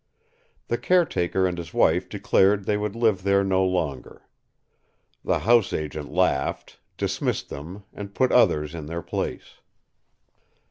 The care taker and his wife declared they would live there no longer. The house agent laughed, dismissed them, and put others in their place.